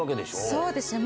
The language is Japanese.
そうですね。